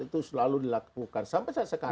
itu selalu dilakukan sampai saat sekarang